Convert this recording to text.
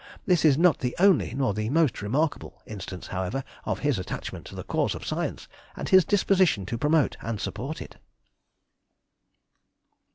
This is not the only, nor the most remarkable, instance however, of his attachment to the cause of science, and his disposition to promote and support it.